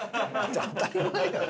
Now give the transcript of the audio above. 当たり前やろ。